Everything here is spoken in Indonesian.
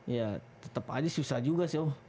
ya tetep aja susah juga sih